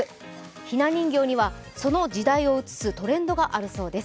ひな人形にはその時代を映すトレンドがあるそうです。